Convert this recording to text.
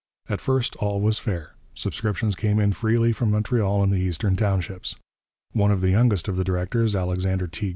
At first all was fair. Subscriptions came in freely from Montreal and the Eastern Townships. One of the youngest of the directors, Alexander T.